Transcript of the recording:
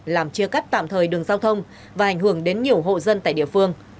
làm chia cắt tạm thời đường giao thông và ảnh hưởng đến nhiều hộ dân tại địa phương